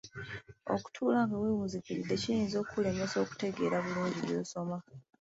Okutuula nga weewunziikiridde kiyinza okukulemesa okutegeera obulungi by'osoma.